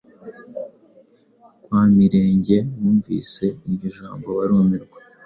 Kwa Mirenge bumvise iryo jambo barumirwa.